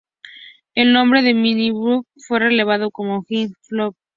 El nombre del mini-álbum fue revelado como "With Love, J".